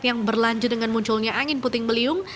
yang berlanjut dengan munculnya angin puting beliung